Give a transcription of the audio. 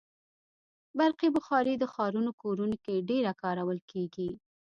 برقي بخاري د ښارونو کورونو کې ډېره کارول کېږي.